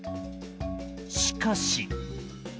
しかし。